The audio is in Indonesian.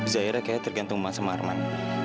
zaira kayaknya tergantung masa sama arman